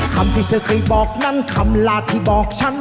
คำที่เธอเคยบอกนั้นคำหลาดที่บอกฉัน